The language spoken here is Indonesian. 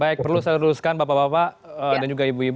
baik perlu saya luruskan bapak bapak dan juga ibu ibu